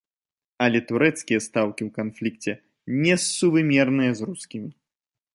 Але турэцкія стаўкі ў канфлікце несувымерныя з рускімі.